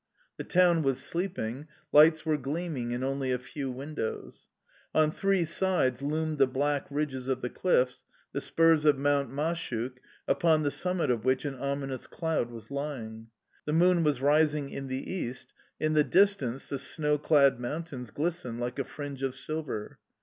The town was sleeping; lights were gleaming in only a few windows. On three sides loomed the black ridges of the cliffs, the spurs of Mount Mashuk, upon the summit of which an ominous cloud was lying. The moon was rising in the east; in the distance, the snow clad mountains glistened like a fringe of silver.